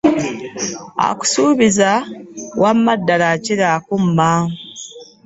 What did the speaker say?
Akusuubiza wamma ddala akira akumma.